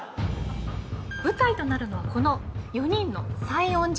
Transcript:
舞台となるのはこの４人の西園寺家です。